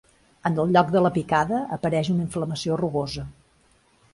En el lloc de la picada apareix una inflamació rugosa.